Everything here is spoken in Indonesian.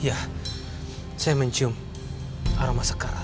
iya saya mencium aroma sekar